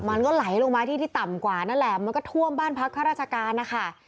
มันก็ไหลลงมาที่ที่ต่ำกว่านั่นแหละมันก็ท่วมบ้านพักข้าราชการนะคะ